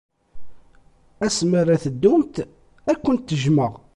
Asmi ara teddumt, ad kent-jjmeɣ.